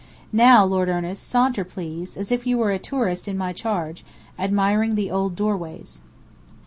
Now, Lord Ernest, saunter, please, as if you were a tourist in my charge, admiring the old doorways."